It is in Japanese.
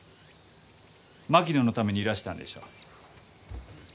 槙野のためにいらしたんでしょう？